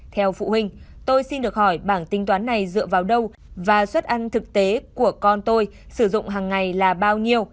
theo phụ huynh tôi xin được hỏi bảng tinh toán này dựa vào đâu và xuất ăn thực tế của con tôi sử dụng hằng ngày là bao nhiêu